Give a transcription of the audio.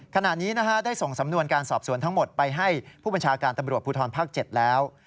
ขณะนี้ได้ส่งสำนวนการสอบสวนทั้งหมดไปให้ผู้บัญชาการตำรวจภูทรภาค๗แล้ว